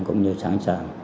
cũng như sẵn sàng